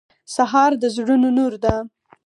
سهار د زړونو نور ده.